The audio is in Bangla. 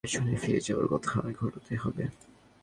আমার জন্য এখন আবার সেই পেছনে ফিরে যাওয়ার ঘটনাই ঘটাতে হবে।